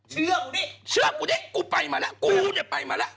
เชือกกูดิเชือกกูดิกูไปมาแล้วกูเนี่ยไปมาแล้ว